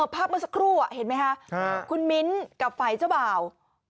ภาพเมื่อสักครู่เห็นไหมคะคุณมิ้นกับฝ่ายเจ้าบ่าว